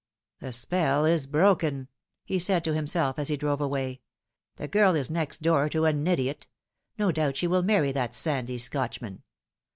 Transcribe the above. " The spell is broken," he said to himself as he drove away. " The girl is next door to an idiot. No doubt she will marry that sandy Scotchman.